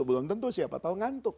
belum tentu siapa tahu ngantuk